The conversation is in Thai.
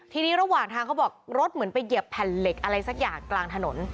ทีนี้ระหว่างทางเขาบอกรถเหมือนไปเหยียบแผ่นเหล็กอะไรสักอย่างกลางถนน